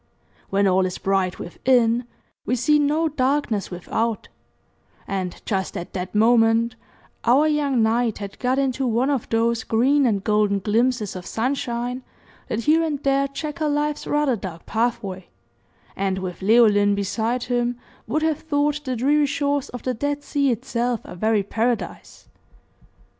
When all is bright within, we see no darkness without; and just at that moment our young knight had got into one of those green and golden glimpses of sunshine that here and there checker life's rather dark pathway, and with Leoline beside him would have thought the dreary shores of the Dead Sea itself a very paradise.